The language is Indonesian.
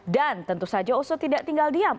tentu saja oso tidak tinggal diam